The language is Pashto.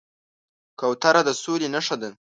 کوتره د سولې نښه ده.